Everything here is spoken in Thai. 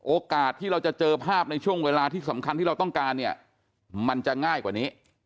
โอกาสที่เราจะเจอภาพในช่วงเวลาที่สำคัญที่เราต้องการเนี่ยมันจะง่ายกว่านี้